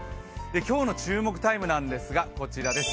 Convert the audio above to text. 今日の注目タイムなんですが、こちらです。